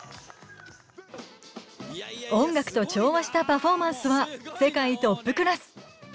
音楽と調和したパフォーマンスは世界トップクラス。